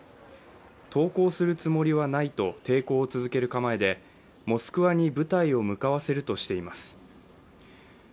投降するつもりはないと抵抗を続ける構えで、モスクワに部隊を向かわせるとしています。